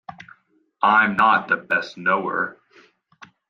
I'm not the best knower.